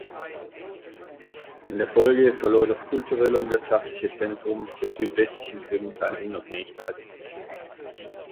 In der Folge verlor das kulturelle und wirtschaftliche Zentrum der südwestlichen Krim seine Unabhängigkeit.